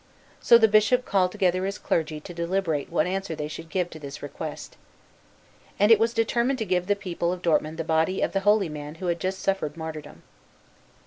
So the Bishop called together his clergy to deliberate what answer they should give to this request. And it was determined to give to the people of Dortmund the body of the holy man who had just suffered martyrdom.